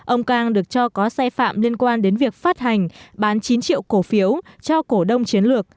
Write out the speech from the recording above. ông cang được cho có xe phạm liên quan đến việc phát hành bán chín triệu cổ phiếu cho cổ đông chiến lược